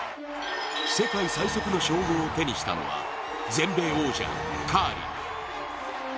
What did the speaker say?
世界最速の称号を手にしたのは全米王者・カーリー。